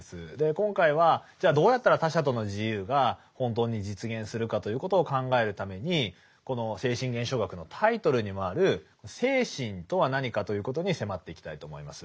今回はじゃあどうやったら他者との自由が本当に実現するかということを考えるためにこの「精神現象学」のタイトルにもある精神とは何かということに迫っていきたいと思います。